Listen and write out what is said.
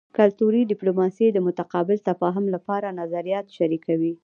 کلتوري ډیپلوماسي د متقابل تفاهم لپاره نظریات شریکوي